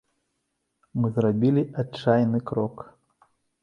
Мы зрабілі адчайны крок.